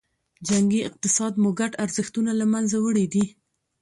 جنګي اقتصاد مو ګډ ارزښتونه له منځه وړي دي.